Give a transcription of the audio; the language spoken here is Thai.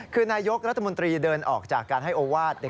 คือนายกรัฐมนตรีเดินออกจากการให้โอวาส